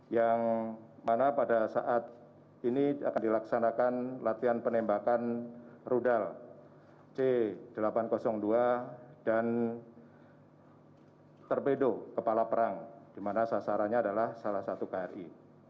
yang mana pada saat ini akan dilaksanakan latihan penembakan rudal c delapan ratus dua dan torpedo kepala perang di mana sasarannya adalah salah satu kri